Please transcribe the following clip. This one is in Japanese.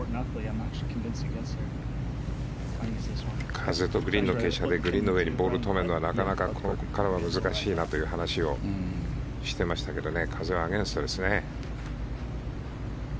風とグリーンの傾斜でグリーンの上にボールを止めるのはなかなか、ここからは難しいなという話をしていましたけどね風はアゲンストですね。